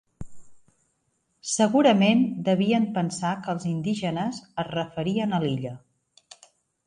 Segurament devien pensar que els indígenes es referien a l'illa.